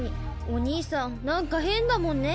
お兄さんなんかへんだもんね。